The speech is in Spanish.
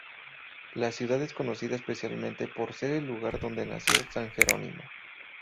La ciudad es conocida especialmente por ser el lugar donde nació San Jerónimo.